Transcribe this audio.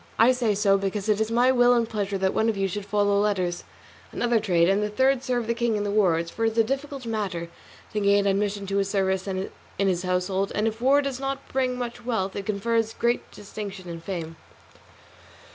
I say so because it is my will and pleasure that one of you should follow letters, another trade, and the third serve the king in the wars, for it is a difficult matter to gain admission to his service in his household, and if war does not bring much wealth it confers great distinction and fame.